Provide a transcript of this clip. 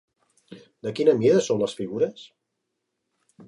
De quina mida són les figures?